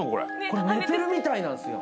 これ寝てるみたいなんですよ